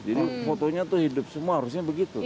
jadi fotonya tuh hidup semua harusnya begitu kan